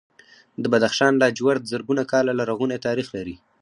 د بدخشان لاجورد زرګونه کاله لرغونی تاریخ لري.